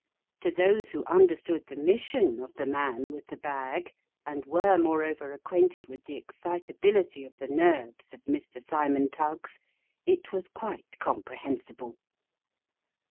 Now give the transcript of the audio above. To those who understood the mission of the man with the bag, and were more over acquainted with the excitability of the nerves of Mr. Simon Tuggs, it was quite comprehensible.